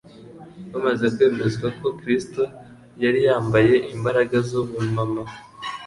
Bamaze kwemezwa ko Kristo yari yambaye imbaraga z'ubumana,